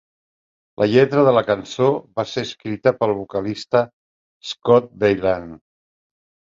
La lletra de la cançó va ser escrita pel vocalista Scott Weiland.